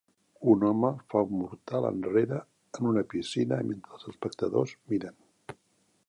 Un home fa un mortal enrere en una piscina mentre els espectadors miren.